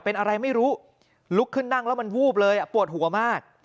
เป็นอะไรไม่รู้ลุกขึ้นนั่งแล้วมันวูบเลยปวดหัวมาก